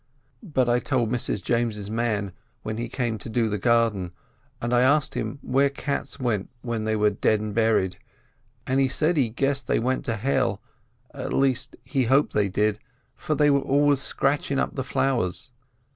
But I told Mrs James's man when he came to do the garden; and I asked him where cats went when they were deadn' berried, and he said he guessed they went to hell—at least he hoped they did, for they were always scratchin' up the flowers.